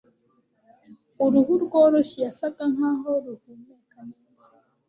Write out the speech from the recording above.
Uruhu rworoshye yasaga nkaho ruhumeka neza